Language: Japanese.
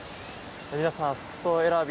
皆さん服装選び